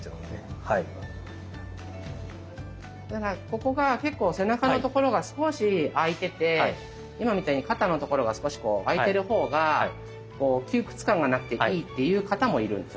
ここが結構背中のところが少し空いてて今みたいに肩のところが少し空いてるほうが窮屈感がなくていいっていう方もいるんです。